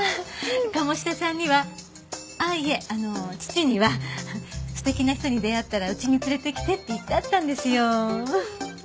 鴨志田さんにはあっいえあの父には素敵な人に出会ったら家に連れてきてって言ってあったんですよ。